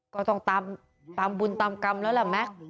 ก็ต้องตามบุญตามกรรมแล้วล่ะแม็กซ์